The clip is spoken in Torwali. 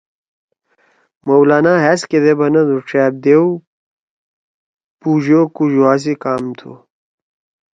مولانا ہأز کیدے بنَدُو ڇأب دیؤ پُوش او کُوژُوا سی کام تُھو۔